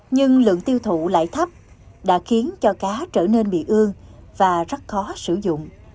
nhưng lượng tiêu thụ lại thấp đã khiến cho cá trở nên bị ương và rất khó sử dụng